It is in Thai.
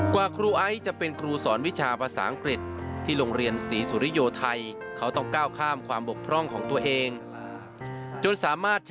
กว่าครูไอ้จะเป็นครูสอนวิชาภาษาอังกฤษ